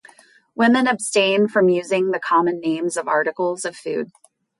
Women abstain from using the common names of articles of food.